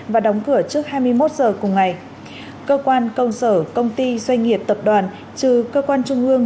và đóng cửa trước hai mươi một giờ cùng ngày cơ quan công sở công ty doanh nghiệp tập đoàn trừ cơ quan trung ương